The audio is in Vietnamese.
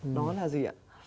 đó là gì ạ